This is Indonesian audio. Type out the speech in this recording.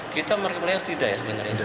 kita marketplace tidak ya sebenarnya